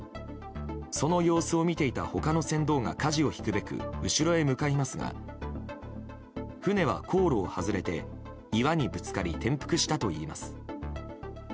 その様子を見ていた他の船頭がかじを引くべく後ろへ向かいますが船は航路を外れて岩にぶつかり転覆したといいます。